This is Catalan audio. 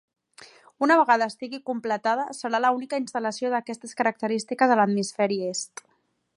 Una vegada estigui completada, serà la única instal·lació d'aquestes característiques a l'hemisferi est.